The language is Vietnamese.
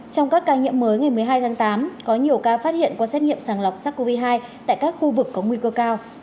trong các ca nhiễm mới ngày một mươi hai tháng tám có nhiều ca phát hiện qua xét nghiệm sàng lọc sars cov hai tại các khu vực có nguy cơ cao